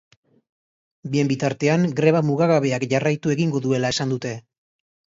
Bien bitartean, greba mugagabeak jarraitu egingo duela esan dute.